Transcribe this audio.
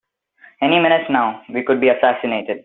Any minute now we could be assassinated!